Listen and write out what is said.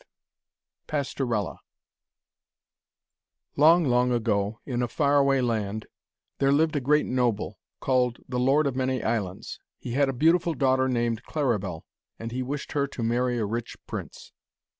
V PASTORELLA Long, long ago, in a far away land, there lived a great noble, called the Lord of Many Islands. He had a beautiful daughter named Claribel, and he wished her to marry a rich prince.